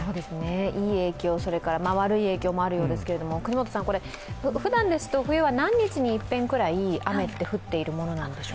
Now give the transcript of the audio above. いい影響、悪い影響もあるようですけれども、ふだんですと冬は何日に一遍ぐらい雨が降っているんでしょう？